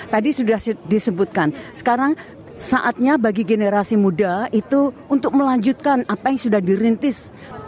tadi sudah disebutkan sekarang saatnya bagi generasi muda itu untuk melanjutkan apa yang sudah dirintis